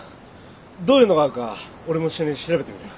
どういうのがあるか俺も一緒に調べてみるよ。